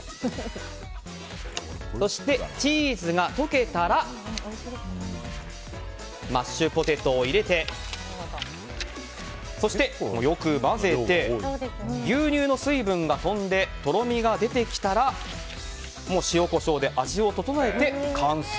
そして、チーズが溶けたらマッシュポテトを入れてそして、よく混ぜて牛乳の水分が飛んでとろみが出てきたらもう塩、コショウで味を調えて完成。